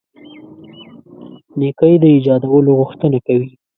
نېکۍ د ایجادولو غوښتنه کوي.